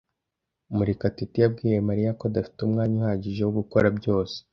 Murekatete yabwiye Mariya ko adafite umwanya uhagije wo gukora byose.